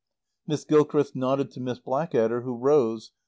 Miss Gilchrist nodded to Miss Blackadder who rose.